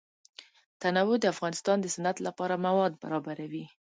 تنوع د افغانستان د صنعت لپاره مواد برابروي.